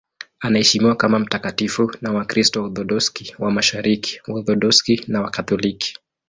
Anaheshimiwa kama mtakatifu na Wakristo Waorthodoksi wa Mashariki, Waorthodoksi na Wakatoliki.